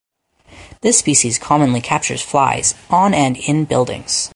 This species commonly captures flies on and in buildings.